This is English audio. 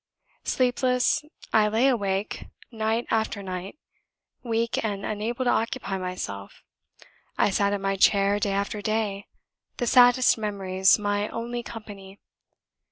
Sleepless, I lay awake night after night, weak and unable to occupy myself. I sat in my chair day after day, the saddest memories my only company.